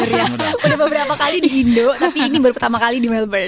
yang udah beberapa kali di hindu tapi ini baru pertama kali di melbourne